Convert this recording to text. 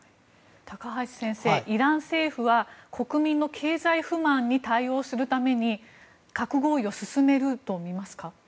高橋先生、イラン政府は国民の経済不満に対応するために核合意を進めるとみますか？